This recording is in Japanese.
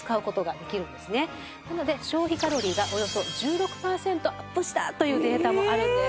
なので消費カロリーがおよそ１６パーセントアップしたというデータもあるんです。